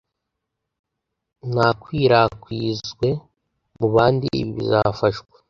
ntakwirakwizwe mu bandi ibi bizafashwa